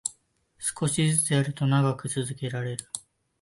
少しずつやると長く続けられる